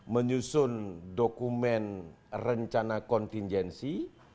menyusun dokumen rencana kontingensi